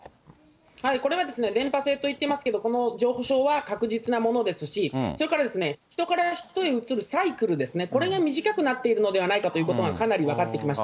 これは伝ぱ性といっていますけれども、この上昇は確実なものですし、それから人から人へうつるサイクルですね、これが短くなっているのではないかということがかなり分かってきました。